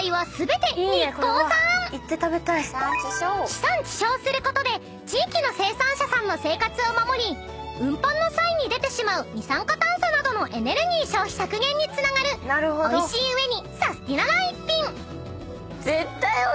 ［地産地消することで地域の生産者さんの生活を守り運搬の際に出てしまう二酸化炭素などのエネルギー消費削減につながるおいしい上にサスティなな一品］